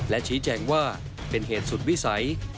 และชี้แจงว่าเป็นเหตุสุดวิสัย